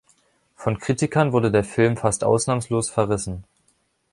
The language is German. Von Kritikern wurde der Film fast ausnahmslos verrissen.